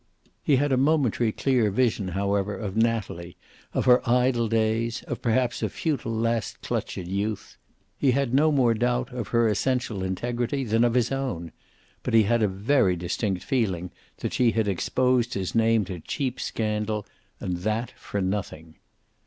He had a momentary clear vision, however, of Natalie, of her idle days, of perhaps a futile last clutch at youth. He had no more doubt of her essential integrity than of his own. But he had a very distinct feeling that she had exposed his name to cheap scandal, and that for nothing.